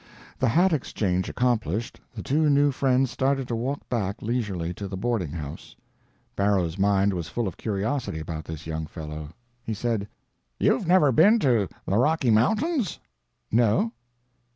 The hat exchange accomplished, the two new friends started to walk back leisurely to the boarding house. Barrow's mind was full of curiosity about this young fellow. He said, "You've never been to the Rocky Mountains?" "No."